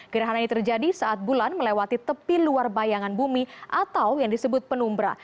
gerhana ini terjadi saat bulan melewati tepi luar bayangan bumi atau yang disebut penumbra